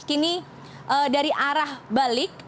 kini dari arah balik